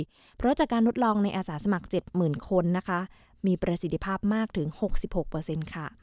เพราะว่าจากการทดลองในอาสาสมัคร๗หมื่นคนมีประสิทธิภาพมากถึง๖๖เปอร์เซ็นต์